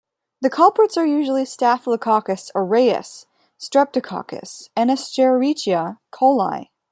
The culprits usually are "Staphylococcus aureus", "Streptococcus", and "Escherichia coli".